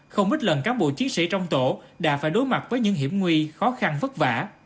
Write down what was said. không ít lần cán bộ chiến sĩ trong tổ đã phải đối mặt với những hiểm nguy khó khăn vất vả